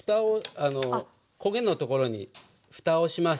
焦げのところにふたをします。